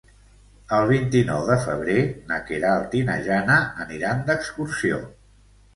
El vint-i-nou de febrer na Queralt i na Jana aniran d'excursió.